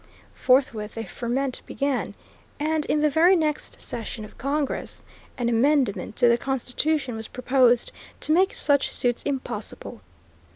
Forthwith a ferment began, and in the very next session of Congress an amendment to the Constitution was proposed to make such suits impossible.